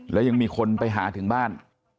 แล้วยังมีคนไปหาถึงบ้าน